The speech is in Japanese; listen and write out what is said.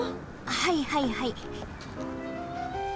はいはいはい。